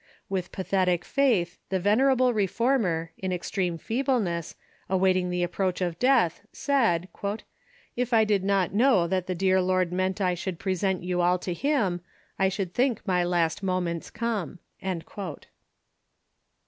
With pathetic faith, the venerable reformer, in extreme feebleness, awaiting the approach of death, said : "If I did not know that the dear Lord meant I should present you all to him, I should think my last moments come."